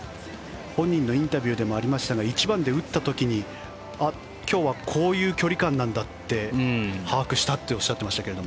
本人のインタビューでもありましたが１番で打った時にあ、今日はこういう距離感なんだって把握したっておっしゃっていましたけど。